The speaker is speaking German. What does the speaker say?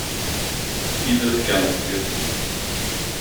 Die wird gerne vergessen.